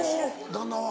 旦那は。